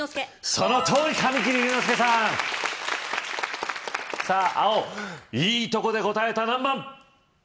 そのとおり神木隆之介さんさぁ青いいとこで答えた何番？